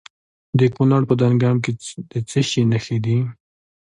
د کونړ په دانګام کې د څه شي نښې دي؟